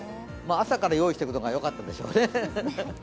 朝から用意しておくことがよかったでしょうね。